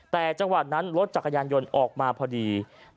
แต่จังหวะนั้นรถจักรยานยนต์ออกมาพอดี